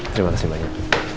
terima kasih banyak